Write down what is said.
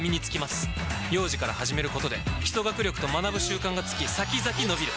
幼児から始めることで基礎学力と学ぶ習慣がつき先々のびる！